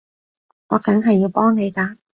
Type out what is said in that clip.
我梗係要幫你㗎